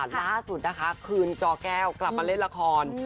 ล่าสุดนะคะคืนจอแก้วกลับมาเล่นละคร